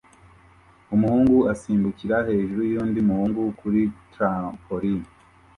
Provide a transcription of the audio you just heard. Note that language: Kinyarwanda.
Umuhungu asimbukira hejuru yundi muhungu kuri trampoline